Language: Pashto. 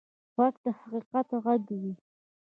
غږ د حقیقت غږ وي